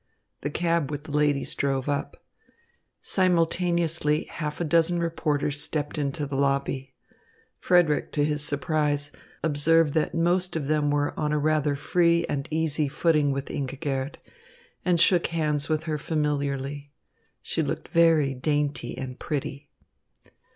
The cab with the ladies drove up. Simultaneously half a dozen reporters stepped into the lobby. Frederick, to his surprise, observed that most of them were on a rather free and easy footing with Ingigerd, and shook hands with her familiarly. She looked very dainty and pretty.